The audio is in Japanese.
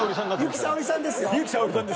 由紀さおりさんですよね。